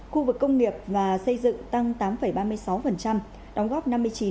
khu vực công nghiệp và xây dựng tăng tám ba mươi sáu đóng góp năm mươi chín chín